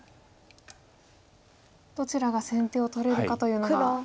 どちらが先手を取れるかというのが。